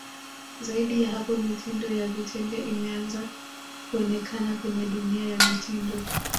Zaidi ya hapo mitindo ya vitenge imeanze kuonekana kwenye dunia ya mitindo